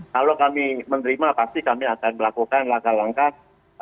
kalau kami menerima pasti kami akan melakukan langkah langkah